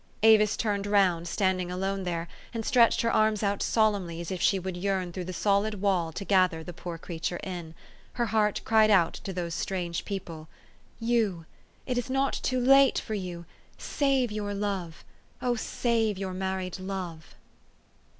Avis turned round, standing alone there, and stretched her arms out solemnly as if she would yearn through the solid wall to gather the poor creature in. Her heart cried out to those strange people, "You it is not too late for you save your love ! Oh, save your married love